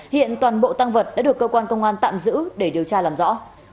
hiện toàn bộ tăng vật đã được cơ quan công an tạm giữ để điều tra làm rõ